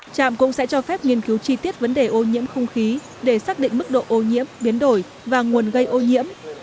trạm cũng sẽ cho phép nghiên cứu chi tiết vấn đề ô nhiễm không khí để xác định mức độ ô nhiễm biến đổi và nguồn gây ô nhiễm